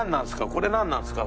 これなんなんですか？